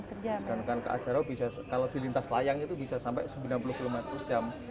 sedangkan ka jaraw kalau dilintas layang itu bisa sampai sembilan puluh km per jam